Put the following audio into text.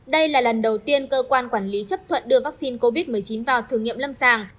đây là lần đầu tiên cơ quan quản lý chấp thuận đưa vaccine covid một mươi chín vào thử nghiệm lâm sàng